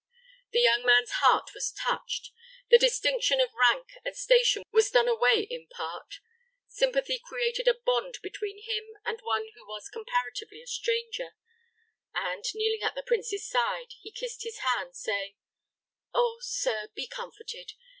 The young man's heart was touched; the distinction of rank and station was done away, in part; sympathy created a bond between him and one who was comparatively a stranger, and, kneeling at the prince's side, he kissed his hand, saying, "Oh, sir, be comforted.